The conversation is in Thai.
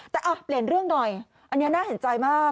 แต่เปลี่ยนเรื่องหน่อยอันนี้น่าเห็นใจมาก